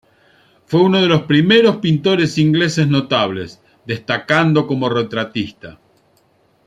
Fue uno de los primeros pintores ingleses notables, destacando como retratista.